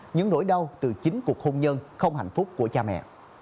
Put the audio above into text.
những nỗi đau từ chính cuộc hôn nhân không hạnh phúc của cha mẹ